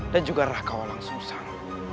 dan juga raka walang susang